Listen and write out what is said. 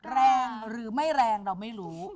แรงหรือไม่แรงเราไม่รู้